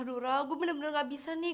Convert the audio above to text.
aduh gue bener bener gak bisa nih